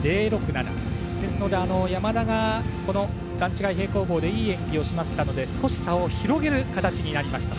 ですので、山田が段違い平行棒でいい演技をしましたので少し差を広げる形になりました。